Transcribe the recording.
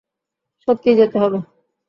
সত্যিই যেতে হবে।